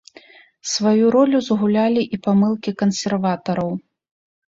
Сваю ролю згулялі і памылкі кансерватараў.